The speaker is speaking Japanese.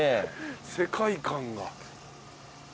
世界観が。